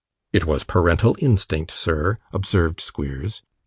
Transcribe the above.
'It was parental instinct, sir,' observed Squeers.